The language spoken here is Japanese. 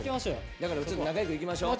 だから仲良くいきましょう。